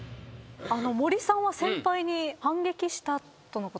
森さんは先輩に反撃したとのことなんですけど。